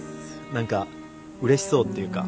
何かうれしそうっていうか。